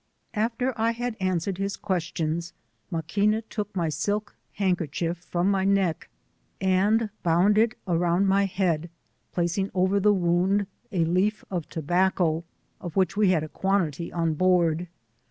After I had answered his questions, Maquina took my silk handkerchief from my neck, and bound it around ray head, placing over the wound a leaf of tobacco, of which we had a quantity on board.